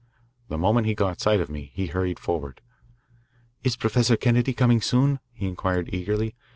The moment he caught sight of me, he hurried forward. "Is Professor Kennedy coming soon?" he inquired eagerly.